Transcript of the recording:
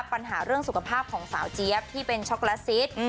ปัญหาเรื่องสุขภาพของสาวเจี๊ยบที่เป็นช็อกโกแลตซิต